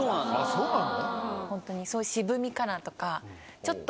そうなの。